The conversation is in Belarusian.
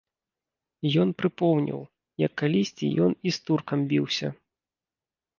Ён прыпомніў, як калісьці і ён з туркам біўся.